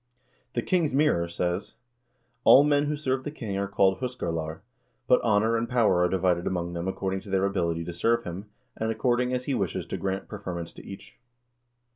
The " King's Mirror" says :" All men who serve the king are called 'huskarlar,' but honor and power are divided among them accord ing to their ability to serve him, and according as he wishes to grant preferments to each.